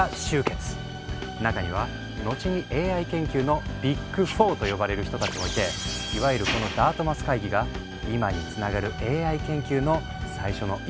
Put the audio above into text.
中には後にＡＩ研究の「ビッグ４」と呼ばれる人たちもいていわゆるこのダートマス会議が今につながるＡＩ研究の最初の一歩となったんだ。